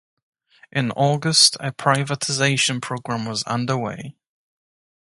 In August, a privatization program was underway.